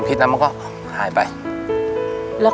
ขับรถไปอยากวิ่งให้รถจน